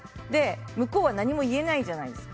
向こうは何も言えないじゃないですか。